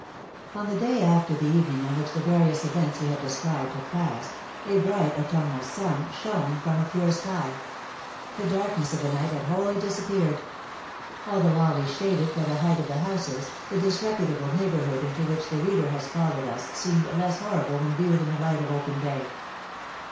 On the day after the evening on which the various events we have described had passed, a bright autumnal sun shone from a pure sky; the darkness of the night had wholly disappeared. Although always shaded by the height of the houses, the disreputable neighbourhood into which the reader has followed us seemed less horrible when viewed in the light of open day.